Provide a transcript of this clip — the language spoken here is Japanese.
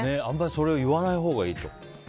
それを言わないほうがいいと。